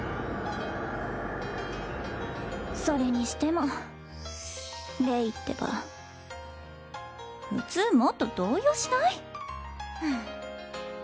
それにしてもレイってば普通もっと動揺しない？